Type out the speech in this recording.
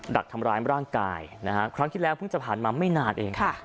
ดักทำร้ายร่างกายนะฮะครั้งที่แล้วเพิ่งจะผ่านมาไม่นานเอง